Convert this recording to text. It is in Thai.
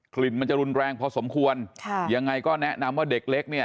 ลิ่นมันจะรุนแรงพอสมควรค่ะยังไงก็แนะนำว่าเด็กเล็กเนี่ย